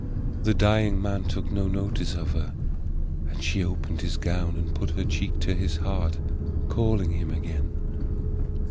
The dying man took no notice of her, and she opened his gown and put her cheek to his heart, calling him again.